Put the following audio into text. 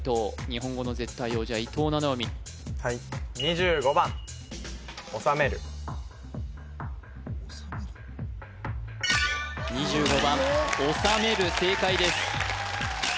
日本語の絶対王者伊藤七海はい２５番おさめる正解です